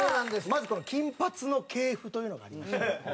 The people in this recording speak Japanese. まずこの金髪の系譜というのがありまして。